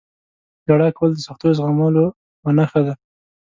• ژړا کول د سختیو زغملو یوه نښه ده.